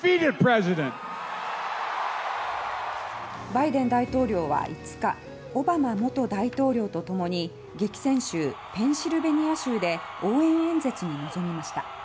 バイデン大統領は５日オバマ元大統領とともに激戦州、ペンシルベニア州で応援演説に臨みました。